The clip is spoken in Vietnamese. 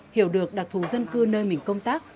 hiểu được đặc thù dân cư nơi mình công tác